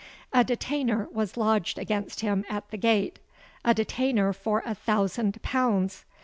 A detainer was lodged against him at the gate—a detainer for a thousand pounds!